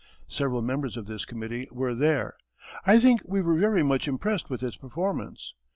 Several members of this committee were there. I think we were very much impressed with its performance.